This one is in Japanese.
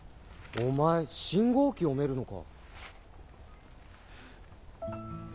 お前信号旗読めるのか。